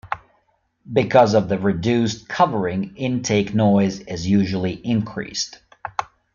Because of the reduced covering, intake noise is usually increased.